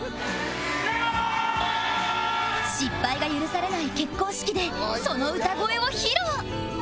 失敗が許されない結婚式でその歌声を披露